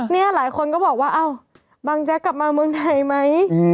นี่หลายคนก็บอกว่าอ้าวบางแจ๊กกลับมาเมืองไทยไหม